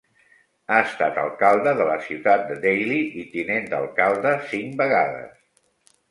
Ha estat alcalde de la ciutat de Daly i tinent d'alcalde cinc vegades.